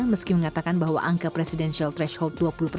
meski mengatakan bahwa angka presidensial threshold